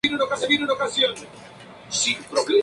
Destacó como dibujante y grabador.